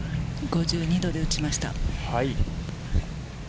５２度で打ちました。